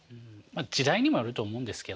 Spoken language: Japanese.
まあ時代にもよると思うんですけどね。